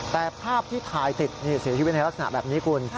แต่ภาพที่ถ่ายติดเสียชีวิตในลักษณะแบบนี้คุณ